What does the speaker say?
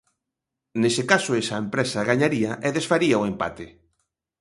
Nese caso esa empresa gañaría e desfaría o empate.